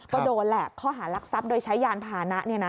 ก็โดนแหละข้อหารักทรัพย์โดยใช้ยานพานะ